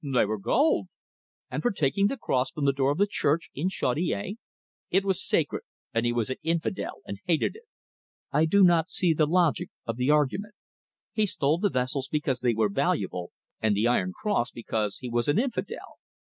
"They were gold!" "And for taking the cross from the door of the church in Chaudiere?" "It was sacred, and he was an infidel, and hated it." "I do not see the logic of the argument. He stole the vessels because they were valuable, and the iron cross because he was an infidel!